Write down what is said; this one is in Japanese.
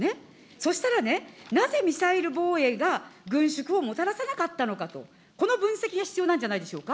そうしたらね、なぜミサイル防衛が軍縮をもたらさなかったのかと、この分析が必要なんじゃないでしょうか。